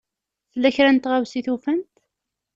Tella kra n tɣawsa i tufamt?